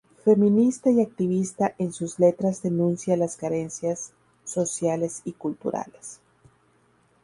Feminista y activista en sus letras denuncia las carencias sociales y culturales.